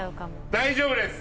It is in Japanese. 大丈夫です！